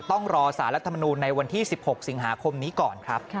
ต้องรอสารรัฐมนูลในวันที่๑๖สิงหาคมนี้ก่อนครับ